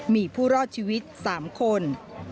มีผู้รอดชีวิต๓คน